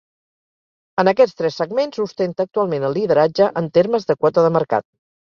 En aquests tres segments ostenta actualment el lideratge en termes de quota de mercat.